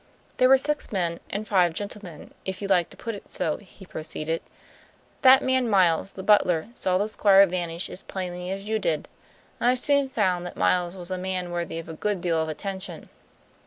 "There were six men and five gentlemen, if you like to put it so," he proceeded. "That man Miles, the butler, saw the Squire vanish as plainly as you did; and I soon found that Miles was a man worthy of a good deal of attention."